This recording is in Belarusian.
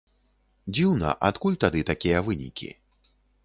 Дзіўна, адкуль тады такія вынікі!